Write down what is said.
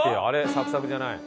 サクサクじゃない。